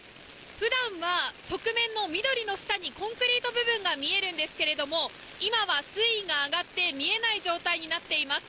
普段は側面の緑の下にコンクリート部分が見えるんですけれども今は水位が上がって見えない状態になっています。